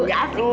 gak asik dong